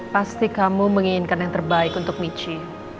pasti kamu menginginkan yang terbaik untuk michi